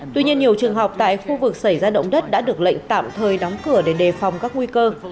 tuy nhiên nhiều trường học tại khu vực xảy ra động đất đã được lệnh tạm thời đóng cửa để đề phòng các nguy cơ